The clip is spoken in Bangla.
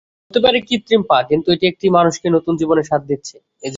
হতে পারে কৃত্রিম পা, কিন্তু এটি একটি মানুষকে নতুন জীবনের স্বাদ দিচ্ছে।